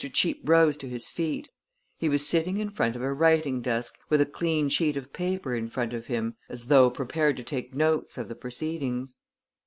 Cheape rose to his feet. He was sitting in front of a writing desk, with a clean sheet of paper in front of him, as though prepared to take notes of the proceedings.